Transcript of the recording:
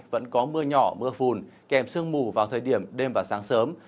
vẫn có mưa nhỏ mưa phùn kèm sương mù vào thời điểm đêm và sáng sớm